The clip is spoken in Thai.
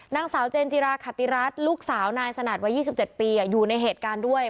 นางสาวเจนจิราขติรัฐลูกสาวนายสนัดวัย๒๗ปีอยู่ในเหตุการณ์ด้วย